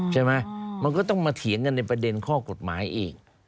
ใช่ไหมมันก็ต้องมาเถียงกันในประเด็นข้อกฎหมายอีก